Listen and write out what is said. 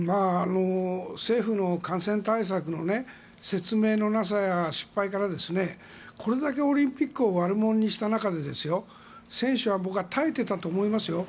政府の感染対策の説明のなさや失敗からこれだけオリンピックを悪者にした中で選手は耐えていたと思いますよ。